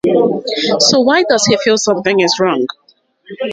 So why does he feel something is wrong?